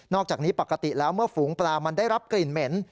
อกจากนี้ปกติแล้วเมื่อฝูงปลามันได้รับกลิ่นเหม็น